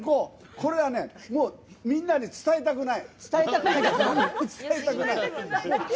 これは、みんなに伝えたくない。